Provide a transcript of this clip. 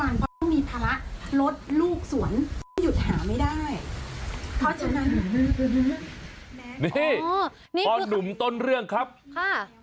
นี่พ่อหนุ่มต้นเรื่องครับค่ะ